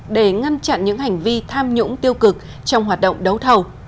để ngăn chặn những hành vi tham nhũng tiêu cực trong hoạt động đấu thầu